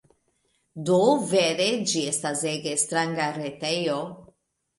Do, vere ĝi estas ege stranga retejo.